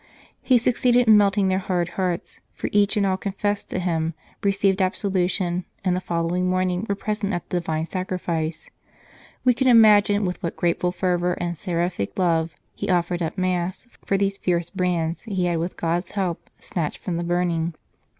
He succeeded in melting their hard hearts, for each and all confessed to him, received absolution, and the following morning were present at the Divine Sacrifice. We can imagine with what grateful fervour and seraphic 190 Apostolic Visitations love he offered up Mass for these fierce brands he had with God s help snatched from the burning.